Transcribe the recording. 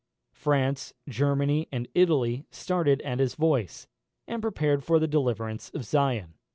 France, Germany, and Italy started at his voice, and prepared for the deliverance of Zion.